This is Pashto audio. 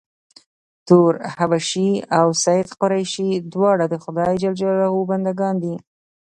تور حبشي او سید قریشي دواړه د خدای ج بنده ګان دي.